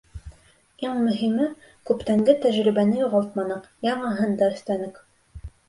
Иң мөһиме — күптәнге тәжрибәне юғалтманыҡ, яңыһын да өҫтәнек.